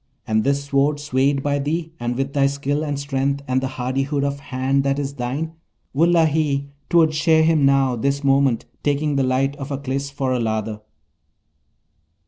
And this Sword swayed by thee, and with thy skill and strength and the hardihood of hand that is thine, wullahy! 'twould shear him now, this moment, taking the light of Aklis for a lather.'